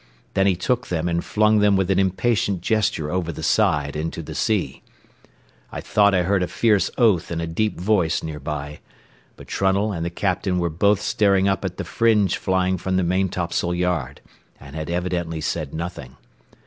Then he took them and flung them with an impatient gesture over the side into the sea. I thought I heard a fierce oath in a deep voice near by, but Trunnell and the captain were both staring up at the fringe flying from the maintopsail yard, and had evidently said nothing.